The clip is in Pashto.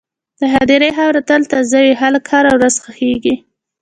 د هدیرې خاوره تل تازه وي، خلک هره ورځ ښخېږي.